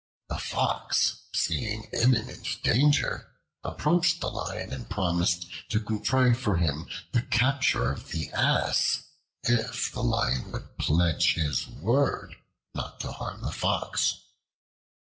The Fox, seeing imminent danger, approached the Lion and promised to contrive for him the capture of the Ass if the Lion would pledge his word not to harm the Fox.